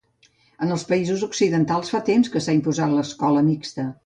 En els països occidentals fa temps que s'ha imposat l'escola mixta.